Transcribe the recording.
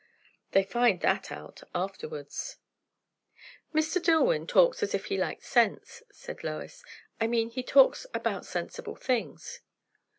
"They find that out afterwards." "Mr. Dillwyn talks as if he liked sense," said Lois. "I mean, he talks about sensible things."